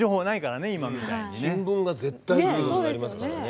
新聞が絶対ってことになりますからね。